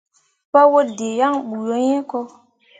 Paa waddǝǝ yaŋ bu yo hĩĩ ko.